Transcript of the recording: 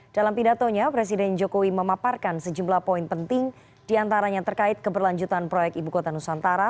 dalam pidatonya presiden jokowi memaparkan sejumlah poin penting diantaranya terkait keberlanjutan proyek ibu kota nusantara